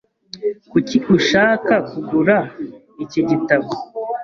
Kuki ushaka kugura iki gitabo?